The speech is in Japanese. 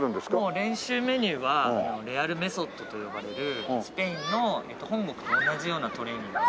練習メニューはレアルメソッドと呼ばれるスペインの本国と同じようなトレーニングを行っています。